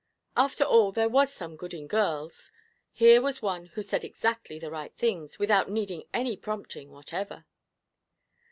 After all there was some good in girls. Here was one who said exactly the right things, without needing any prompting whatever.